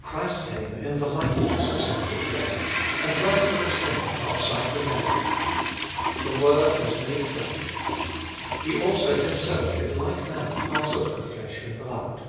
Christ came in the likeness of sinful flesh, and dwelt with us here outside the veil. The Word was made flesh. He also Himself in like manner fiartook of flesh and blood.